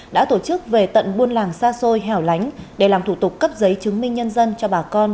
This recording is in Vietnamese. đã tổ chức về tận buôn làng xa xôi hẻo lánh để làm thủ tục cấp giấy chứng minh nhân dân cho bà con